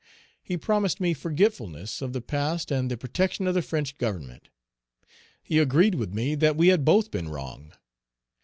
He promised me forgetfulness of the past and the protection of the French Government. He agreed with me that we had both been wrong.